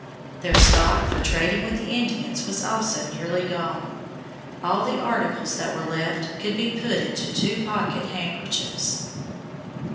Their stock for trading with the Indians was also nearly gone; all the articles that were left could be put into two pocket handkerchiefs.